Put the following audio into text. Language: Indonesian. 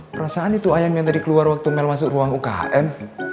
perasaan itu ayamnya dari keluar waktu mel masuk ruang ukm